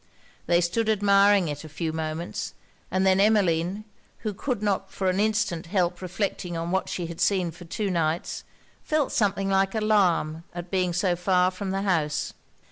They stood admiring it a few moments; and then Emmeline, who could not for an instant help reflecting on what she had seen for two nights, felt something like alarm at being so far from the house.